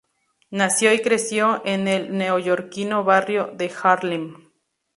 Nació y creció en el neoyorquino barrio de Harlem.